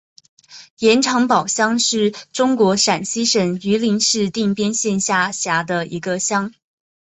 盐场堡乡是中国陕西省榆林市定边县下辖的一个乡。